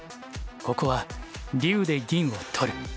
ここは竜で銀を取る。